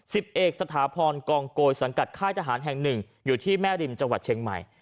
สิบเอกสถาพรกองโกยสังกัดค่ายทหารแห่งหนึ่งอยู่ที่แม่ริมจังหวัดเชียงใหม่